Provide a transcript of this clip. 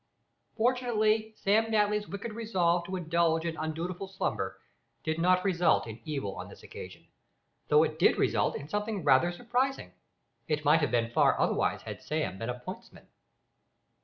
Fortunately Sam Natly's wicked resolve to indulge in undutiful slumber did not result in evil on this occasion, although it did result in something rather surprising. It might have been far otherwise had Sam been a pointsman!